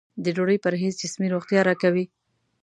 د ډوډۍ پرهېز جسمي روغتیا راکوي.